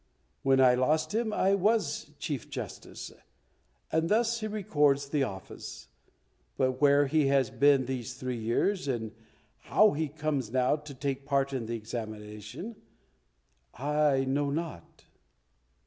When I lost him I was Chief Justice, and thus he records the office; but where he has been for these three years, and how he comes now to take part in the examination, I know not."